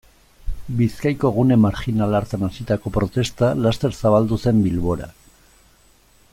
Bizkaiko gune marjinal hartan hasitako protesta laster zabaldu zen Bilbora.